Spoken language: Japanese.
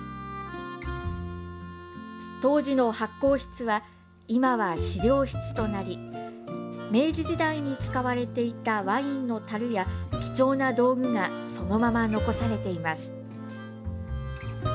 当時の発酵室は今は資料室となり明治時代に使われていたワインのたるや貴重な道具がそのまま残されています。